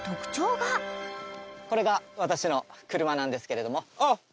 これが私の車なんですけれども。